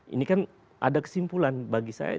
ini kan ada kesimpulan bagi saya